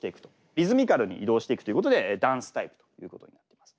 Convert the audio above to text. リズミカルに移動していくということでダンスタイプということになっています。